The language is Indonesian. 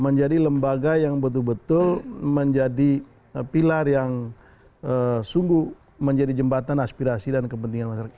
menjadi lembaga yang betul betul menjadi pilar yang sungguh menjadi jembatan aspirasi dan kepentingan masyarakat